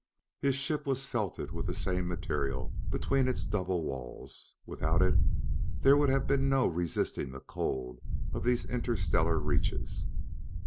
His ship was felted with the same material between its double walls; without it there would have been no resisting the cold of these interstellar reaches.